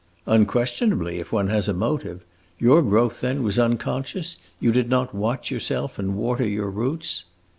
"Unquestionably, if one has a motive. Your growth, then, was unconscious? You did not watch yourself and water your roots?"